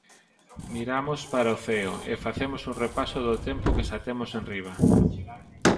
Miramos para o ceo, e facemos un repaso do tempo que xa temos enriba.